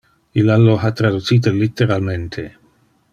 Illa lo ha traducite litteralmente.